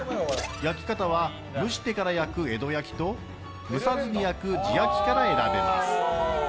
焼き方は蒸してから焼く江戸焼きと蒸さずに焼く地焼きから選べます。